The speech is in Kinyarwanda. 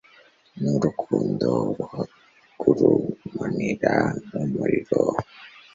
n'urukundo ruhagurumanira nk'umuriro